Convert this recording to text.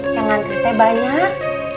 jangan kereta banyak